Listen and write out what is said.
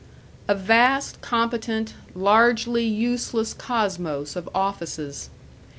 A vast, competent, largely useless cosmos of offices.